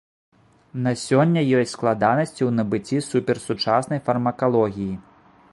На сёння ёсць складанасці ў набыцці суперсучаснай фармакалогіі.